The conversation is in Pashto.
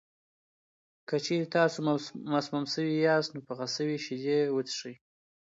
که چېرې تاسو مسموم شوي یاست، نو پخه شوې شیدې وڅښئ.